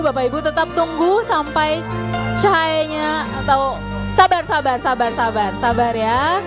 bapak ibu tetap tunggu sampai cahayanya atau sabar sabar sabar sabar sabar ya